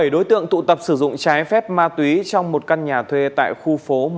bảy đối tượng tụ tập sử dụng trái phép ma túy trong một căn nhà thuê tại khu phố một